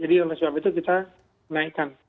jadi untuk sebab itu kita naikkan